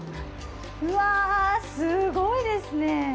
うわ、すごいですね。